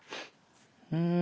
うん。